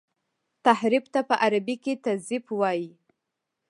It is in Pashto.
تحريف ته په عربي کي تزييف وايي.